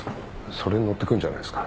それに乗ってくるんじゃないですか？